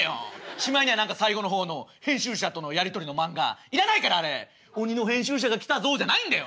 しまいには何か最後の方の編集者とのやり取りの漫画要らないからあれ「鬼の編集者が来たぞ」じゃないんだよ。